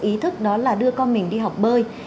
ý thức đó là đưa con mình đi học bơi